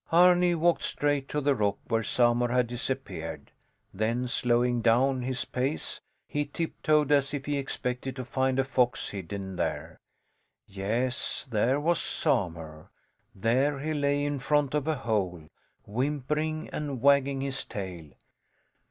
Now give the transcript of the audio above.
Arni walked straight to the rock where Samur had disappeared; then slowing down his pace, he tiptoed as if he expected to find a fox hidden there. Yes, there was Samur. There he lay in front of a hole, whimpering and wagging his tail.